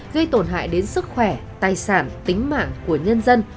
gây tổn hại đến sức khỏe tài sản tính mạng của nhân dân